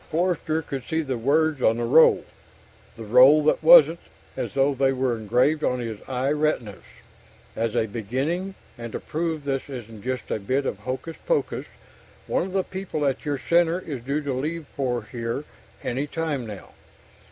Forster could see the words on the roll, the roll that wasn't, as though they were engraved on his eye retinas: _As a beginning, and to prove this isn't just a bit of hocus pocus, one of the people at your Center is due to leave for here any time now.